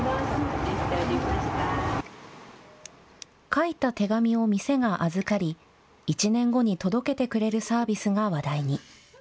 書いた手紙を店が預かり１年後に届けてくれるサービスが話題に。